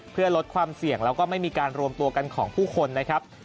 เพื่อลดความเสี่ยงแล้วก็ไม่มีการรวมตัวกันของผู้คนนะครับ